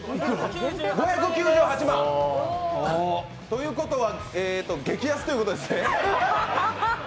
ということは、激安ということですね。